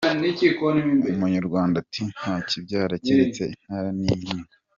Umunyarwanda ati: "Nta kibyara keretse intare n'ingwe".